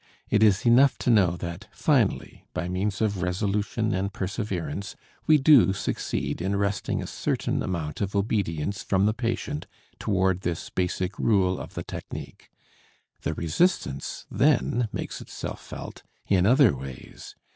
It is enough to know that finally, by means of resolution and perseverance, we do succeed in wresting a certain amount of obedience from the patient toward this basic rule of the technique; the resistance then makes itself felt in other ways.